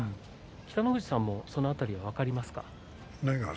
北の富士さんもその辺り分かりますか。